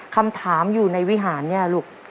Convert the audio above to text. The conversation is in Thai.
คำถามอยู่ในวิหารเนี่ยลูก